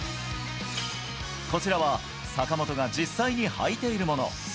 こちらは、坂本が実際に履いているもの。